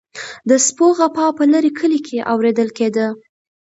د سپو غپا په لرې کلي کې اوریدل کیده.